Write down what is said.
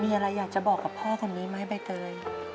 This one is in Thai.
มีอะไรอยากจะบอกกับพ่อคนนี้ไหมใบเตย